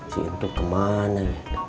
si itu kemana